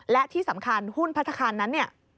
และที่สำคัญหุ้นพัฒนาคารนั้นเนี่ย